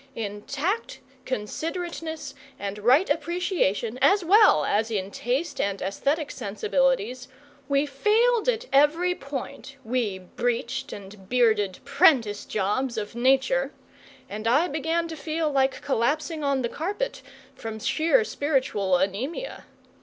In tact, considerateness, and right appreciation, as well as in taste and aesthetic sensibilities we failed at every point, we breeched and bearded prentice jobs of Nature; and I began to feel like collapsing on the carpet from sheer spiritual anaemia.